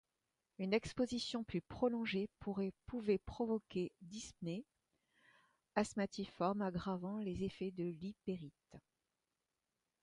Une exposition plus prolongée pouvait provoquer dyspnée asthmatiforme aggravant les effets de l'ypérite.